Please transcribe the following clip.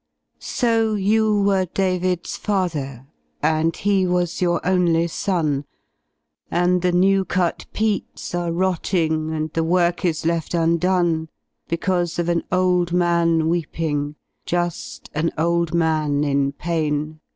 lO you were David's father, And he was your only son, And the new cut peats are rotting And the work is left undone. Because of an old man weeping, Just an old man in pain.